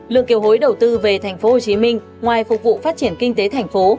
lượng kiểu hối đầu tư về thành phố hồ chí minh ngoài phục vụ phát triển kinh tế thành phố